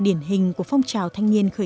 điển hình của phong trào thanh niên khởi